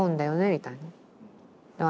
みたいな。